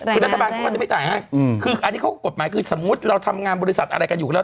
คือรัฐบาลเขาก็จะไม่จ่ายให้คืออันนี้เขาก็กฎหมายคือสมมุติเราทำงานบริษัทอะไรกันอยู่แล้ว